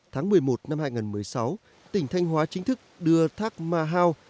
tháng một mươi một năm hai nghìn một mươi sáu tỉnh thanh hóa chính thức đưa thác ma hao